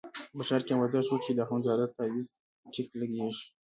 په ښار کې اوازه شوه چې د اخندزاده تاویز ټیک لګېږي.